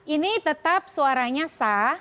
ini tetap suaranya sah